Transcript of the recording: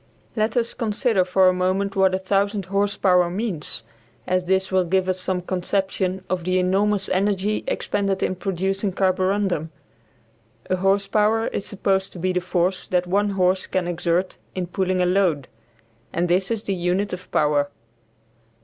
Let us consider for a moment what 1000 horse power means; as this will give us some conception of the enormous energy expended in producing carborundum. A horse power is supposed to be the force that one horse can exert in pulling a load, and this is the unit of power.